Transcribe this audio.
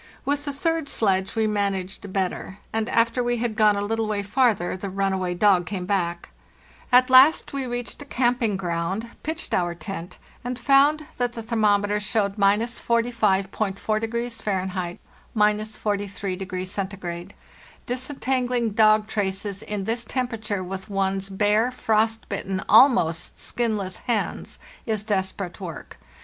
With the third sledge we managed better, and after we had gone a little way farther the runaway dog came back. At last we reached a camping ground, pitched our tent, and found that the thermometer showed 154 HARTHEST NORTH —45.4 Fahr. (—43 C.). Disentangling dog traces in this temperature with one's bare, frost bitten, almost skinless hands is desperate work.